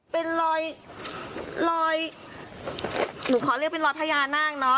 เป็นรอยลอยหนูขอเรียกเป็นรอยพญานาคเนอะ